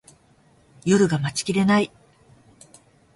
夜が待ちきれない